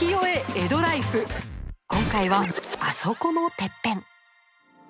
今回はあそこのてっぺん。